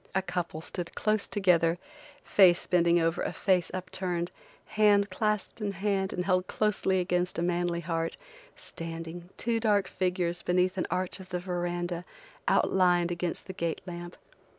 A couple stood close together, face bending over a face up turned, hand clasped in hand and held closely against a manly heart, standing, two dark figures, beneath an arch of the verandah, outlined against the gate lamp.